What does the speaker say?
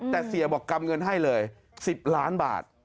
แต่เสียบอกกำเงินให้เลย๑๐ล้านบาท